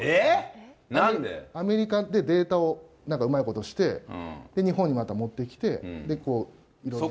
アメリカでデータをなんかうまいことして、日本にまた持ってきて、いろいろと。